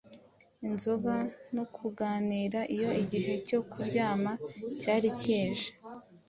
inzoga no kuganira Iyo igihe cyo kuryama cyari kije